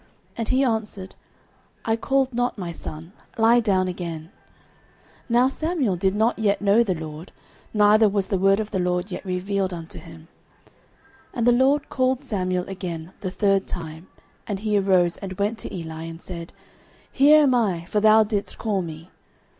And he answered, I called not, my son; lie down again. 09:003:007 Now Samuel did not yet know the LORD, neither was the word of the LORD yet revealed unto him. 09:003:008 And the LORD called Samuel again the third time. And he arose and went to Eli, and said, Here am I; for thou didst call me.